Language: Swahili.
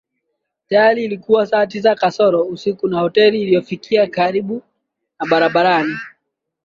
Tayari ilikua saa sita kasoro usiku na hoteli anayofikia ilikuwa karibu na barabarani